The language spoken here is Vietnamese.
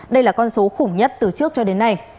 đây là con số khủng nhất từ trước cho đến nay